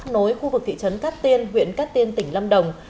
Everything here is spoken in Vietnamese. nối khu vực thị trấn cát tiên huyện cát tiên tỉnh lâm đồng